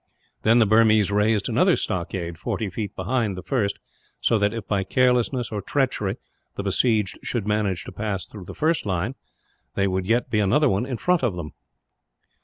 Then the Burmese raised another stockade forty feet behind the first, so that, if by carelessness or treachery the besieged should manage to pass through the first line, there would yet be another in front of them.